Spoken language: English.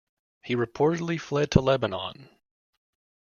He reportedly fled to Lebanon.